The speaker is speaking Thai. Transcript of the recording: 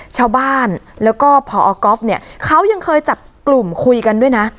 ชาวบ้านแล้วก็พอก๊อฟเนี่ยเขายังเคยจับกลุ่มคุยกันด้วยนะ